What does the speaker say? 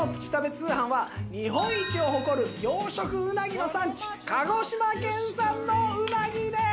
通販は日本一を誇る養殖うなぎの産地鹿児島県産のうなぎです！